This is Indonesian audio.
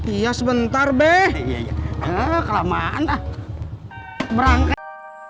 iya sebentar be ya ya ya kelamaan berangkat